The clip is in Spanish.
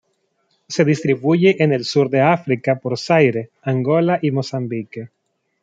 Se distribuye en el sur de África por Zaire, Angola y Mozambique.